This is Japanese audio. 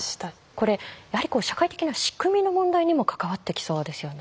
これやはり社会的な仕組みの問題にも関わってきそうですよね。